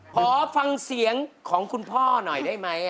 ขอฟังเสียงของคุณพ่อหน่อยได้ไหม